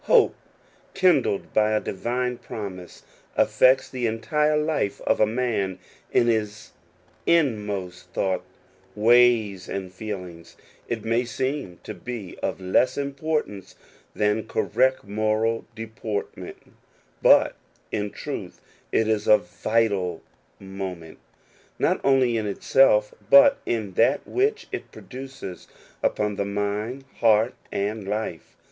Hope, kindled by a divine promise, affects the entire life of a man in his inmost thoughts, ways, and feelings : it may seem to be of less importance than correct moral deportment, but in truth it is of vital moment, not only in itself, but in that which it produces upon the mind, heart, and life.